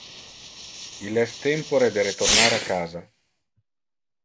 Il es tempore de retornar a casa.